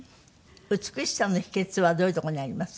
美しさの秘訣はどういうとこにありますか？